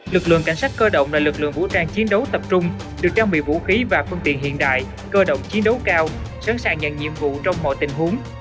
lực lượng cảnh sát cơ động là lực lượng vũ trang chiến đấu tập trung được trang bị vũ khí và phương tiện hiện đại cơ động chiến đấu cao sẵn sàng nhận nhiệm vụ trong mọi tình huống